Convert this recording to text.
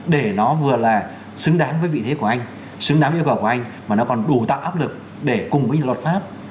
để nó vừa là xứng đáng với vị thế của anh xứng đáng yêu cầu của anh mà nó còn đủ tạo áp lực để cùng với luật pháp